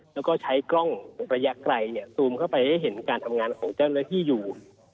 แล้วก็ใช้กล้องระยะไกลซูมเข้าไปให้เห็นการทำงานของเจ้าหน้าที่อยู่